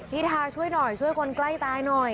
ทาช่วยหน่อยช่วยคนใกล้ตายหน่อย